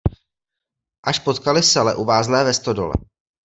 Až potkaly sele uvázlé ve stodole.